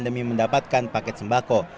demi mendapatkan paket sembako